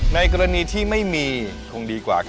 ในกรณีที่ไม่มีคงดีกว่า